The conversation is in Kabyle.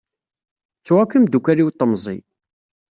Ttuɣ akk imdukal-iw n temẓi.